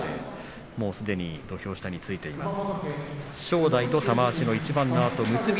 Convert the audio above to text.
すでに土俵下についています。